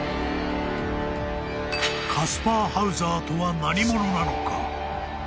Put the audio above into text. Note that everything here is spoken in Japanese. ［カスパー・ハウザーとは何者なのか？］